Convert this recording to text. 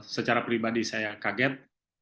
secara pribadi saya kaget